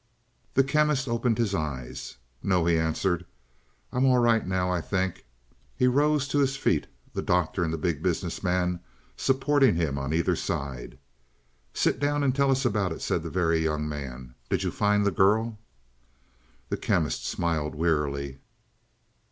The Chemist opened his eyes. "No," he answered. "I'm all right now, I think." He rose to his feet, the Doctor and the Big Business Man supporting him on either side. "Sit down and tell us about it," said the Very Young Man. "Did you find the girl?" The Chemist smiled wearily.